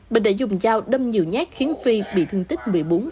bình đã dùng dao đâm nhiều nhát khiến phi bị thương tích một mươi bốn